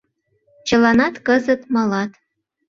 Чыланат кызыт малат.